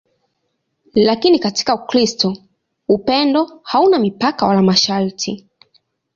Lakini katika Ukristo upendo hauna mipaka wala masharti.